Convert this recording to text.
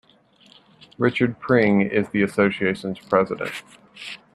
Richard Pring is the association's president.